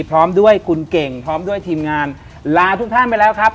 พร้อมด้วยคุณเก่งพร้อมด้วยทีมงานลาทุกท่านไปแล้วครับ